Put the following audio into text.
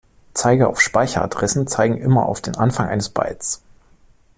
Zeiger auf Speicheradressen zeigen dabei immer auf den Anfang eines Bytes.